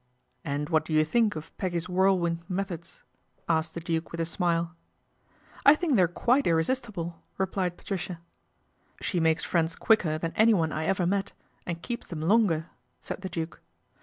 " And what do you think of Peggy's whirlwind methods ?" asked the Duke with a smile. " I think they are quite irresistible," repliec Patricia. "She makes friends quicker than anyone I evei met and keeps them longer," said the Duke.